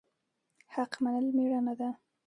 حق منل میړانه ده